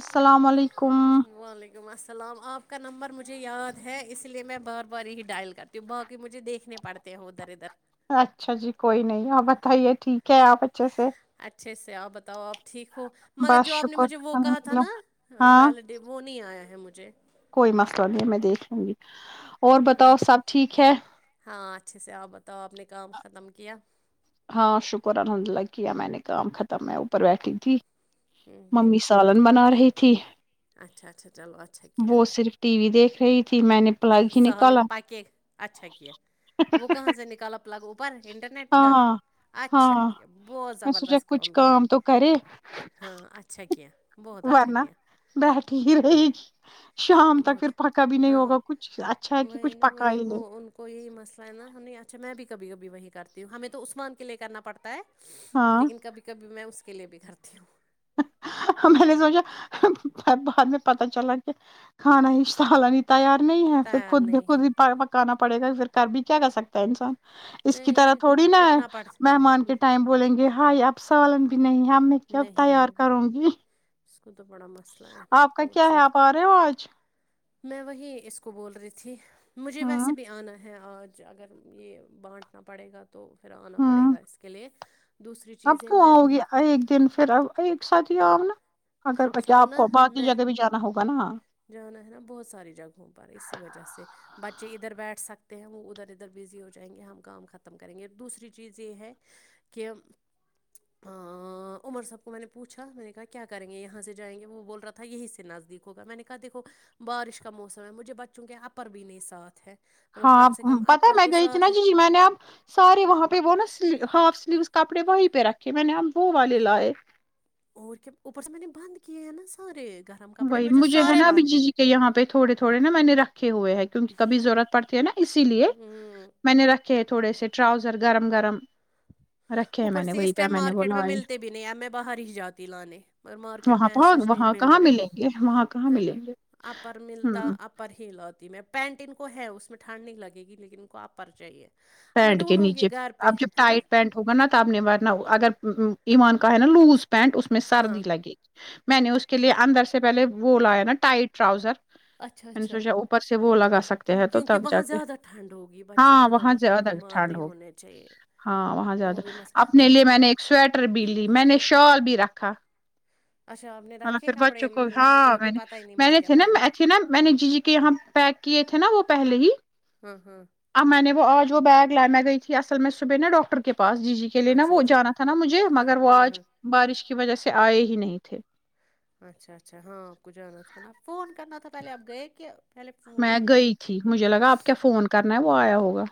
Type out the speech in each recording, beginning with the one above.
السلام علیکم سلام آپ کا نمبر مجھے یاد ہے اس لیے میں بار بار یہی ڈائل کرتی ہوں ب کہ مجھے دیکھنے پڑتے ہیں ادھر ادھر اچھا جی کوئی نہیں اور بتائیے ٹھیک کیا آپ بچے سے اچھے سے آپ بتاؤ آپ ٹھیک ہو مگر بس جو آپ نے شکر مجھے وہ کہا الحمد تھا للہ نا ہاں ویلیڈ وہ نہیں آیا ہے ہیں مجھے کوئی مسلہ نہیں ہے میں دیکھ لوں گی اور ہ بتاؤ سب ٹھیک ہے ہاں اچھے سے آپ بتاؤ آپ نے کام ختم کیا ہاں شکر الحمد للہ کیا میں نے کام ختم ہے اوپر بیٹھی تھی ہوں ہوں ممی سالن بنا رہی تھے پچھی اچھا اچھا چلو اچھا ک ٹی وی دیکھ رہی تھی میں نے پلگ ہی سہلن نکالا پکے اچھا کہ وہ کہاں سے نکال اپ لگ اوپر انٹرنیٹ ہاں کا ہاں اچھا ہاں کیا بہت میں سوچا زبردست کچھ کام کا کیا تو کرے کین ارنا بیٹ ٹ ہی رہی گی شام تک پھر بہت پکا بھی نہیں ہاں ہوگا کچھ اچھا ہے کہ وہی کچھ نا پکا وہی ہی وہ لے ان کو یہی مسئلہ ہے نا اچھا میں بھی کبھی کبھی وہی کرتی ہوں ہمیں تو عثمان کے لیے کرنا پڑتا ہے ہاں لیکن کبھی کبھی میں اس کے لیے بھی کرتی ہوں میں نے سوچا بعد میں پتا چلا کہ کھانا ہی سالا نہیں تیار نہیں ہے پھر تیار خود ب نہیں ہے خود ہی پکانا پڑے گاھر کر بھی کیا کر سکتا ہے انسان اس کی طرح نہیں تھوڑی نا اٹھنا پڑ مہمان کے ٹائم بولیں گے ہائے ابسالن نہیں ہم میں کب نہیں تیار ہے کروں گی اس کو تو بڑا مسلہ آپ کا کیا ہے آپ آ رہے ہو آج میں وہیں اس کو بول رہی تھی مجھے ویسے ہوں بھی آنا ہے ہیں آج اگر یہ بانٹنا پڑے گا تو تو پھر آنا پڑے ہوں گا اس کے لیے دوسری اب چیزیں کیوں میں ہوگی ایک دن پھر آ ایک سات یہ آؤ نا اگر بچہ سنو آپ نا کو باقی میں جگہ بھی جانا ہوگا نا جانا ہے نا بہت ساری جگہوں پر اسی وجہ سے بچے ادھر بیٹھ سکتے ہیں وہ ادھر ادھر بزی ہو جائیں گے ہم کام ختم کریں گے دوسری چیز یہ ہے کہ عمر سب کو میں نے پوچھا میں نے کہا کیا کریں گے یہاں سے جائیں گے وہ بول رہا تھا یہیں سے نزدیک ہوگا میں نے دیکھو بارش کا موسم ہے مجھے بچوں کے اپر بھی ن ساتھ ہے مطلب ہاں کم سے کم پتا ہے اپر میں تو گئی تھی ساتھ نا لے، جی جی میں نے اب سارے وہاں پہ وہ نا ہاف سلیو کپڑے وہیں پہ رکھے میں نے ابو والے لائے اور کیا اوپر سے میں نے بند کیے ہیں نا سارے گرم کپڑے وہی مجھے ہے سارے نا ابھی بند جی ہیں جی کے یہاں پہ تھوڑے تھوڑے نا میں نے رکھے ہوئے ہیں کیونکہ کبھی ضرورت پڑتی ہے نا اسی لیے ہوں میں نے رکھے تھوڑے سے رؤزر گرم گرم رکھے ہیں اوپر میں نے سے اس وہی پہ ٹائم نے مارکیٹ بولا میں ملتے بھی نہیں میں باہر ہی جاتی لانے م مارکیٹ وہاں میں ایساچ نہیں وہاں مل کہاں رہا ملیں گے وہاں کہاں ملیںے ہ ت میں پینٹ ان کو ہے اس میں ٹھانڈ نہیں لگےی لیکن ان کو آپ پرچاہیے پینٹ کے نیچے اب جب ٹائٹ پینٹ ہوگا نا تبنی بنؤ اگر ایان کہ نہا لوز پینٹ اس میں سرد ہاں لگی میں نے اس کے لیے اندر سے پہلے وہ لایا نا ٹائٹ ٹراؤزر اچھا اچھا سوچ اوپر سے وہ لگا سکتے ہیں تو کیونکہ تب جا وہاں کے زیادہ ٹھنڈ ہوگی بچے ہاں خدا وہاں نہ کرے زیادہ بیمار ٹھنڈ نہیں ہو ہونے چاہیے ہاں وہاں وہ زیادہ بھی مس اپنے وہ لیے میں نے ایک سویٹر بھی لی میں نے شال بھی رکھا اچھا آپ نے تھاا [inaudible] رکھے پھر کپڑے بچوں کو مجھے ہاں ابھی میں نے پتہ ہی نہیں میں مجھے نے کیا تھے نا پہننے تھی نا میں نے جی جی کے یہاں پیک کیے تھے تھے نا وہ پہلے ہی ہاں ہاں اب میں نے وہ اور بیگ لائے میں گئی تھی اصل میں صبح ن ڈاکٹر کے پ پاس جی جی کے لیے نا اچھا وہ جانا اچھا تھا نا مجھے مگر وہ ہاں ہاں آج بارش کی وجہ سے آئے ہی نہیں تھے اچھا اچھا ہاں آپ کو جانا تھا نا فون کرنا تھا پہلے آپ گئے کہ پہلے فون میں کیا گئی تھی مجھے لگا آپ کیا فون کرنا ہے وہ آیا ہوگا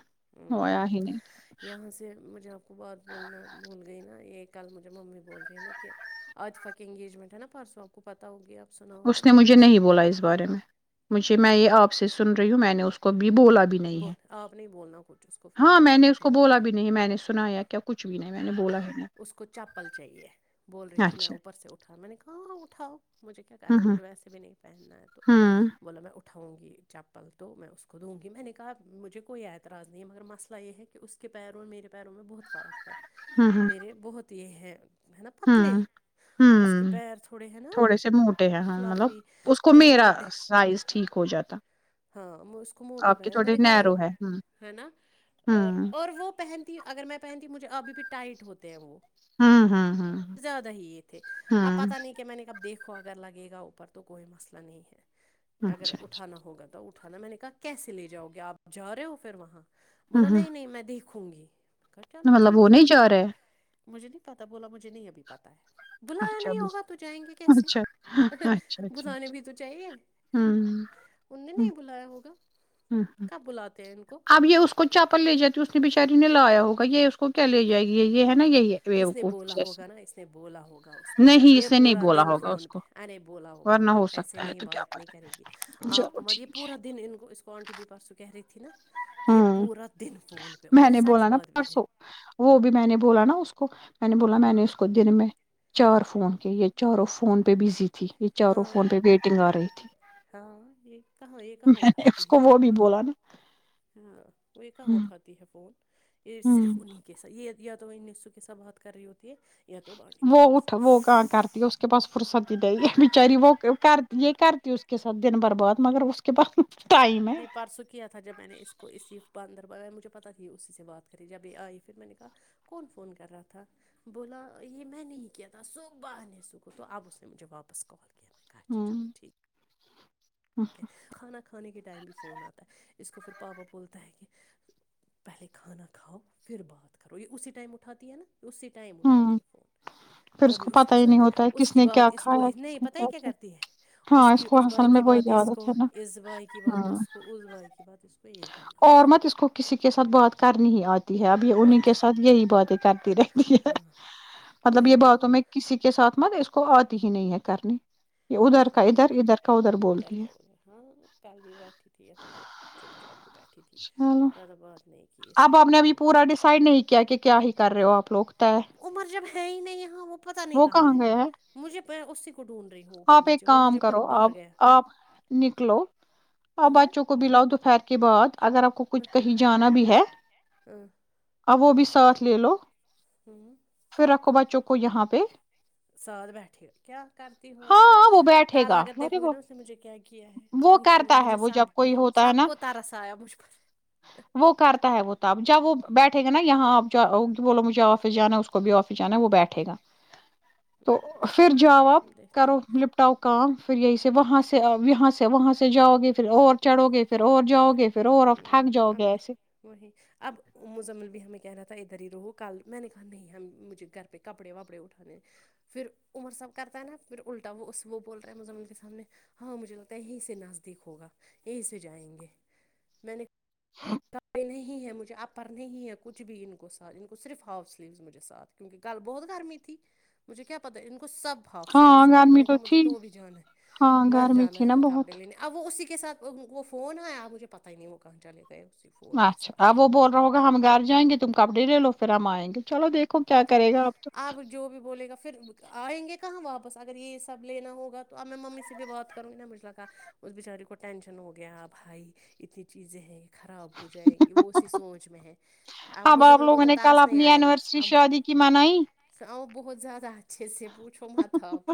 وہ آیا ہ ہی نہیں یہاں سے مجھے آپ کو بات بولنا بول گئی نا یہ کل مجھے ممی بول رہی ہے نا کہ عطفا کی انگیجمنٹ ہے نا پرسوں آپ کو پتا ہوگی آپ سنا ہوگا اس نے مجھے نہیں بولا اس بارے میں مجھے میں یہ آپ سے سن رہی ہوں میں نے اس کو بھی بولا بھی نہیں ہے بول آپ نہیں بولنا کچھ اس کو پھر ہاں میں نے اس کو بولا بھی نہیں ہے میں نے سنایا کیا کچھ بھی نہیں ہ میں نے بولا ہی نہیں اس کو چپل چاہیے بول رہی تھی میں اچھا اوپر سے اٹھا میں نے کہاں اٹھا اٹھؤ مجھے کیا کرنا ہ مجھے ویسے بھی نہیں پہننا ہے تو ہ ہ بلا میںھ اٹھاؤں گی چپل تو میں اس کو دوں گی میں نے کہا مجھے کوئی اعتراض نہیں مگر مسئلہ یہ ہے کہ اس کے پیروں میرے پیروں میں بہت فرق ہے میرے بہت یہ ہے [unintelligible] پتلے ہوں ہ اس کے پیر تھوڑے ہیں نا تھوڑے سے موٹے ہیں ہاں مطلب فلافی اس کو تو میرا موٹے سائز ٹھیک ہو جاتا ہاں اس کو موٹے آپ کے پہنے میں تھوڑے نے کہا نیرو ہے ہ ہے نا ہ اور اور وہ پہنتی اگر میں پہن مجھے ابھی بھی ٹائٹ ہوتے ہیں وہ ہاں ہاں زیادہ ہی یہ تھے اب پتاہ نہیں کہ میں نے کب دیکھو تو اگر لگے گا اوپر تو کوئی مسئلہ نہیں ہے [unintelligible] اگر اچھا اٹھانا ہوگا تو اٹھ نا میں نے کہا کیسے لے جاؤ گے آپ جا رہے ہو پھر وہاں ہ بولا ہ نہیں نہیں میں دیک ھنگی مطلب وہ نہیں جا رہے [unintelligible] مجھ نہیں پتا بولا مھے نہیں ابھی پت ہے بلایا اچھا نہیں ہوگا تو جائیں گے کیسے اچھا اچھا اچھا بلانے اچھا بھی تو چاہیے ان نے نہیں ہ بلایا ہوگا ہ کب بلاتے ہیں ان کو اب یہ اس کو چاپل لے جی اس نےچ [unintelligible] چاری نے لایا ہوگا یہ اس کو کیا لے جائے گی یہ ہے نا یہی اس نے ویوقوف بولا ہوگا جیسے نا اس نے بولا ہوگا اس کو نہیں یہ اس نے نہیں پورا بولا دن ہوگا فون اس پہ کو ارے بولا ہوگا ورنہ ہاں ہو ایسے سکتا ہے نہیں تو کیا بات نہیں پتا کرے گی آپ چلو کو مر یہ ٹھیک پورا دن ان کو اس کو آنٹی بی پارسو کہہ رہی تھی نا کہ یہ ہوں پورا دن فون پہ میں مگر نے سچ بولا نا بات بھی ہے پرسوں وہ بھی میں نے بولا نا اس کو میں نے بولا میں نے اس کو دن میں چار فون کے یہ چاروں فون پہ بزی تھی یہ چاروں ہاں فون پہ ویٹنگ آ رہی تھی ہاں یہ کہاں یہ کہاں میں نے اس اٹھاتی ہے کو وہ بھی بولا نا ہاں وہ کہاں اٹھاتی ہے [unintelligible] فور [inaudible] یہ صرف انہیں کےسر یہ یا تو وہ ان نیسو کے سب بات کر رہی ہوتی ہے یا تو بانڈی وہ پورہ کے اٹھ وہ ساتھ گ کرتی ہے اس کے پاس فرصت بیچاری وہ کر یہ کرتی اس کے ساتھ دن برباد مگر اس کے پاس ٹائم ہے نہیں پارسو کیا تھا جب میں نے اس کو اسیف بند مجھے پتا تھا یہ اسی سے بات کری جبھی آئی پھر میں نے کہا کون فون کر رہا تھا بولا یہ میں نے ہی کیا تھا س ب نہیں سکو تو اب اس نے مجھے واپس کال کیا میں نے کہا اچھا ہوں چلو ٹھیک ہے کھانا کھانے کے ٹائم بھی فون آتا ہے اس کو پھر پاپا بولتا ہے کہ پہلے کھانا کھاؤ پھر بات کرو یہ اسی ٹائم اٹھاتی ہے نا اسی ٹائم اٹھاتی ہے فون پھر کبھی کو اس پتا کے ہی نہیں ساتھ ہوتا ہے اس کس کی نے کیا بات اس کو کھایا نہیں کس نے پتا ہی کیا کرتی ہے اس ہاں کی کو اس بھائی اصل میں کی بات وہی عادت ہے نا ہاں اور مت اس کو کسی کے ساتھ بات [unintelligible] کرنی آج تی ہے ابھی انیں کے آتی ہے سات یہ ہی باتیں کرتی رہی ہاں مطلب وہیں یہ تو باتوں میں کسی کے ساتھ مت اس کو آتی ہی نہیں ہے کرنی یہ ہ ادھر کا ادھر ادھر کا ادھر گھر بولتی ہے کاول ہاں کل بھی بیٹھی تھی یہاں تو چپ چاپ ہی بیٹھی تھی چلو زیادہ بات نہیں کی اس اب نے آپ ابھی کل پورا ڈیسائڈ نہیں کیا کہ کیا ہی کر رہے ہو آپ لوگ طے عمر جب پتا نہیں کہاں ہے مجھے اس آپ ایک کام کرو آپ گیا آپ نکلو اور ہاں بچوں کو بلاؤ دوپہر کے کے بعد [unintelligible] اگر آپ کو کچھ کہیں جانا بھی ہے ہ [inaudible] ا وہ بھی ساتھ لے لو پھر رکھو بچوں کو یہاں پہ سھ بیٹھیے کیا کرتی ہاں ہوں وہ آپ بیٹھے کل گا اگر ارے دیکھو گے وہ نا اس نے مجھے کیا کیا ہے وہ پوچھو میں کرتا ہے مجھے وہ جب سب کوئی ہوتا ہے سب نا کو ترسایا مجھ پر وہ کرتا ہے وہ تب جب وہ بیٹھے گا نا یہاں آپ ج بولو مجھے آفس جانا ہے اس کو بھی آفس جانا ہے وہ بیٹھے گا تو پھر جاؤ آپ دیکھتے کرو لپٹاو کا پھر یہی سے وہاں سے یہاں سے وہاں سے جاؤگے پھر اور چڑھو گے پھر اور جاؤ گےھر ہ اب وہی اب مزمل بھی ہمیں کیا رہتا ہے دری رہو کل میں نے کہا نہیں ہم مجھے گھر پہ کپڑے واپڑے اٹھانے پھر عمر صحب کرتا ہے نا پھر الٹا وہ وہ بول رہے ہیں مظمان کے سامنے ہاں مجھے لگتا ہے یہیں سے نزدیک ہوگا یہیں سے جائیں گے میں نے ے نہیں ہے مجھے اپر نہیں ہے کچھ بھی ان کو ساتھ ان کو صرف ہاف سلیو مجھے ساتھ کیونکہ بہت گرمی تھی مجھے کیا پتا ان کو سب ہاف ہاں سلیواتھ ہے میں گرمی نے کہا مجھے تھی تو بھی جانا ہاں ہے گھر گرمی جانا تھی ہے نا پھر کپڑے بہت لینے اب وہ اسی کے کے سھ وہ فون آپجھے پتا ہی نہیں وہ کہاں چلے گ اچھا اب وہ بول رہا ہوگا ہم گھر جائیں گے تم کپڑے لے لو فرم آائیں گے چلو دیکھو کیا پتا کرے گا نہیں اب تو آپ جو بھی بولے گا پھر آئیں گے کہاں واپس اگر یہ سب لینا ہوگا تو اب میں ممی سے بھی بات کروں گی نا مجھ ل کہا اس بچاری کو ٹینشن ہو گیا بھائی اتنی چیزیں ہیں خراب ہو جائیں گی وہ اسی سوچ میں ہے اب مزمل کو تو تارس نہیں آئے گا اب اد کی مانائی آؤ بہت زیادہچ اچھے سے پوھو متب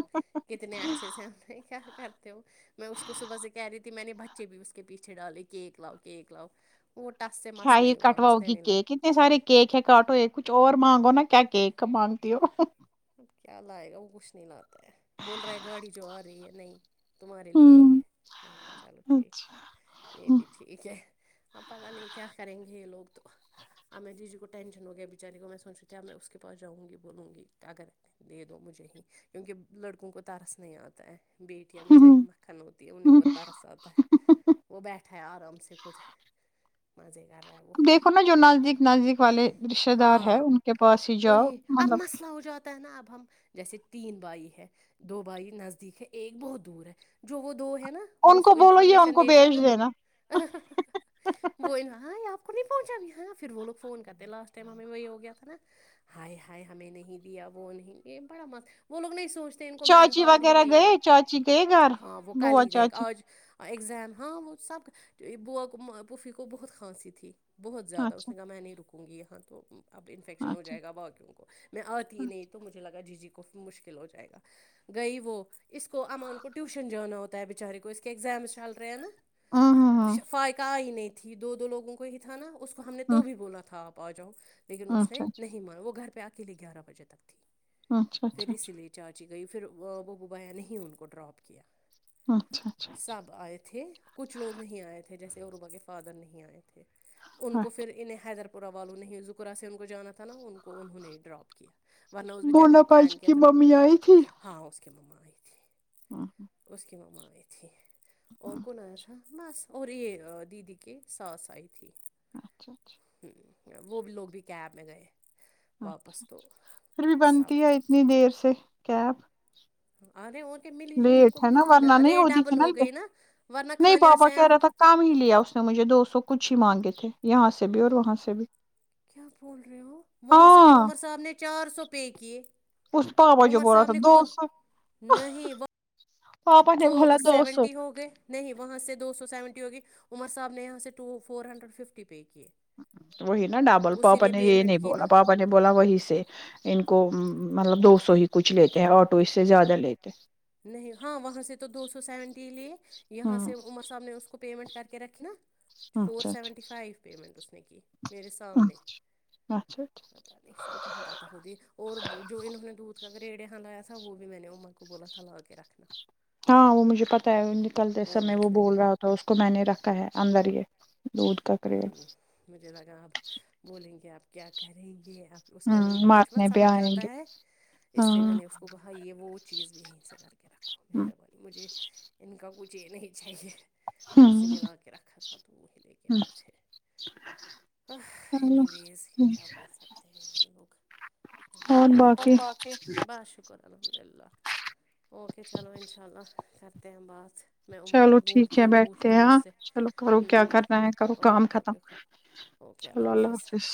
کتنے اچھے سے ہم کیا کرتے ہو میں اس کو صبح سے کہہ رہی تھی میں نے بچ بچے بھی اس کے پیچھے ڈالے کےک لاؤ کےک لاؤ وہ ٹس سے ہ مس ہی نہیں ہوا کٹواؤ اس نے گی نہیں لائے کیک اتنے سار کیک ہے کٹ ہوئے کچھ اور مانگو نا کیا کیک مانگتی ہو اب کیا لائے گا وہ کچھ نہیں لاتا تو بول رہے ہیں گاڑی جو آ رہی ہے نہیں تمہارے لیے یہ ہوں، ہے میں چلو ٹھیک اچھا، ہے یہ ہوں، بھی ٹھیک ہے اب پتا نہیں کیا کریں گے یہ لوگ تو ا میںری جی کو ٹینشن ہو گیا بیچاری کو میں سوچ رہی ت اب میں اس کے پاس جاؤں گی بولوں گی اگر دے دو مجھے ہی کیونکہ لڑکوں کو ترس نہیں آتا ہے بیٹیاں بیچاری ہوں۔ مکھن ہوتی ہے انہیں کوتا رساتتا ہے وہ بی اھ آرام سے خھ مزے کر رہا ہے وہ دیکھو نا جو نزدیک نزدیک والے رشتے دار ہیں ہاں ان کے پاس ہی جاؤ انہیں اب مطلب مسئلہ ہو جاتا ہے نا اب ہم جیسے تین بھائی ہے دو بھائی نزدیک ہے ایک بہت دور ہے جو وہ ہے نا وہ ان اس کو بولو یہ ان انفارمیشن کو دیتے ہیں بھیج دینا نا وہ ہ آپ نہیں پہنچا بھی ہاں پھر وہ لوگ فون کرتے لاسٹ ٹائم ہمیں وہ ہو گیا تھا نا ہائی ہائے ہمیں نہیں دیا وہ نہیں یہ بڑا مست وہ لوگ نہیں سوچتے ان کو مین چاچی پاور ہی وغیرہ نہیں گئے ہے چاچی گئے گھر ہاں وہ کل بوا ہی گئے چاچی آج ایگزام ہاں وہ سب ب پوفھی کو بہت کھانسی تھی بہت زیادہ اس اچھا نے کاا میں نہیں رکا ہوں گی یہاں تو اب انفیکشن ہو اچھا جائے گا باقیوں کو میں آتی نہیں تو مجھے لگا جی جی کو مشکل ہو جائے گا گئی وہ اس کو امان کو ٹیوشن جانا ہوتا ہے بچارے کو اس کے ایگزامس چل رہے ہیں نا ہاں ہاں ب ہاں شا فائقہ آئی نہیں تھی دو دو لووں کو ہی تھا نا اس کو ہم نے تو ہاں بھی بولا تھا آپ پ جؤ لیکن ہاں، اس نے اچھا نہیں مارا وہ گھر پہ آتا کے لی گیارہ بجے اچھا اچھا اچھا چ گئی پھر وہ ببایا نے ہی ان کو ڈراپ کیا اچھا اچھا اچھا اچھا سب آئے تھے کچھ لوگ نہیں آئے تھے تھے جیسے عروبا کے فادر نہیں آئے تھے ان کو اچھا۔ پھر انہیں حیدرباد پا والو نہیں ذکرہ سے ان کو جانا تھا نا انن کو انہوں ہی ڈراپ کیا ورنہ اس بیچاری بولا نے پلان باجی کیا کی تھا میں ممی آئی تھی ہاں اس کی مما آئی تھی ہاں اس کی ممان ا تھی اور ہاں، کون آیا تھا بس اور یہ دیدی کے ساس آئی تھی اچھا اچھا وہ بھی لوگ بھی کیب میں گئے واپس تو پھر بھی بنتی سب ہے اتنی دیر سے کیپ اے وہ لیٹ ہے نا ورنہ نہیں ہوتی تھی نا ہو گئی ورنہ نہیں کھانے آ پاپا کہہ سیاں رہا تھا کم ہی لیا اس نے مجھے دو سو کچھ ہی مانگے تھے تھے یہاں سے بھی اور وہاں سے بھی کیا بول رہے ہو وہاں سے تو ہاں امر صاحب نے چار سو پے کیے اس پاپا جو امر بول رہا صاحب تھا نے دو خود سو نہیں وہ پاپا سو نے بولا دو سو سیونٹی ہو گئے نہیں وہاں سے دو سو سیونٹی ہوگی عمر صاحب نے یہاں سے ٹ فور ہنڈریڈ ففٹی پے کیے وہی نا ڈابل اسی پاپا نے یہ نہیں پیمنٹ کی نا بولا پاپا نے بولا وہی سے ان کو مطلب دو سو ہی کچھ لیتے ہیں آٹو اس سے زیادہ لیتے نہیں ہاں وہاں سے تو دو سو سیونٹی لے یہاں ہوں سے عمر صاحب نے اس کو پیمنٹ کر کے رکھی نا فور اچھا سیون اچھا ف پیمنٹ نے کی مے سامنے پ اچھا اچھا اس کو کہاں پ ہو اور جو انہوں نے دودھ کا گیڑے لایا تھا تھا وہ بھی میں نے اما کو بولا تھا لا کے رکھنا ہاں وہ مجھے پتا ہے نکلتے بھی سمے وہ اس نے لا بول رہا تھا اس کو میں نے رکھا ہے آمدر ہے ہ مجھے لگا اب بولیں گے آپ کیا کریں گے اس ٹائم ان ہوں کو کچھ بت مارنے بھی سمجھ آئیں آتا گے ہے اس لیے میں ہاں نے اس کو کہا یہ وہ چیز بھی ہے سے کر رکھو ہوں مہربانی مجھے ان کا کچھ جی نہیں چاہیے پھر اسے نےلاا کے رکھا تھا تو چلو وز کیا بول سکتے ہیں لوگ اور باقی بس شکر الحمد للہ اوکے چلو ان شاء اللہ کرتے ہیں بعات چلو ٹھیک ہے بیٹھتے ہیں ہاں چلو کرو کیا کرنا ہے کرو کام اوکے ختم اوکے چلو اللہ حافظ